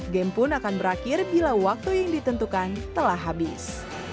game pun akan berakhir bila waktu yang ditentukan telah habis